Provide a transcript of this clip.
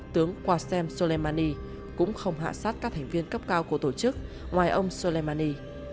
tướng wasem soleimani cũng không hạ sát các thành viên cấp cao của tổ chức ngoài ông soleimani